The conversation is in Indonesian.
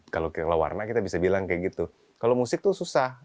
kalau warna kita bisa bilang kayak gitu kalau musik tuh susah